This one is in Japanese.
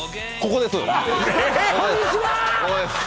ここです